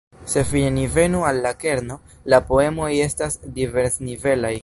Se fine ni venu al la kerno, la poemoj estas diversnivelaj.